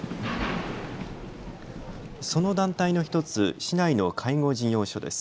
その団体の１つ、市内の介護事業所です。